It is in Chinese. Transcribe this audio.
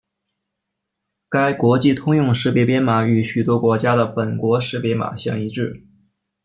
该国际通用识别编码与许多国家的本国识别码相一致。